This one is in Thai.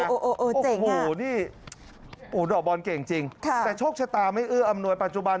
โอ้โหนี่ดอกบอลเก่งจริงค่ะแต่โชคชะตาไม่เอื้ออำนวยปัจจุบัน